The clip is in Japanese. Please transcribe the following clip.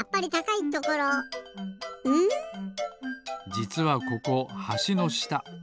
じつはここはしのした。